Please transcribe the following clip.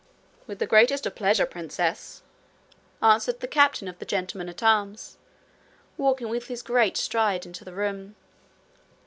'With the greatest of pleasure, princess,' answered the captain of the gentlemen at arms, walking with his great stride into the room.